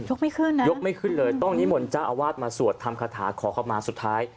ไม่ขึ้นนะยกไม่ขึ้นเลยต้องนิมนต์เจ้าอาวาสมาสวดทำคาถาขอเข้ามาสุดท้าย